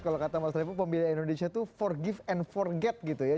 kalau kata mas ebo pemilihan indonesia itu forgive and forget gitu ya